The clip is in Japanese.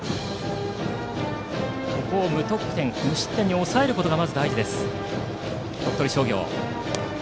ここを無失点に抑えることがまず大事となる鳥取商業。